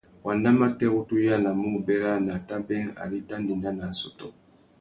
Wanda matê wu tu yānamú wu bérana a tà being ari i tà ndénda nà assôtô.